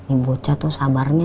ibu ca tuh sabarnya